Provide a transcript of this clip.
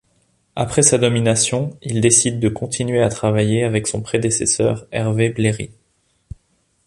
Après sa nomination, il décide de continuer à travailler avec son prédécesseur Hervé Bléry.